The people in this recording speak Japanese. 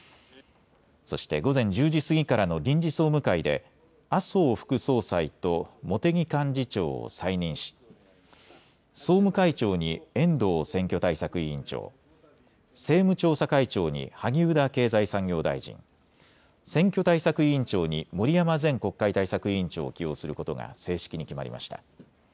そして午前１０時過ぎからの臨時総務会で、麻生副総裁と茂木幹事長を再任し、総務会長に遠藤選挙対策委員長、政務調査会長に萩生田経済産業大臣、選挙対策委員長に森山前国会対策委員長を起用することが正式に決まりました。